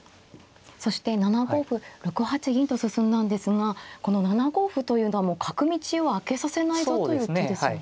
そして７五歩６八銀と進んだんですがこの７五歩というのはもう角道を開けさせないぞという手ですよね。